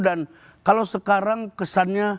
dan kalau sekarang kesannya